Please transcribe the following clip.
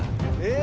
え！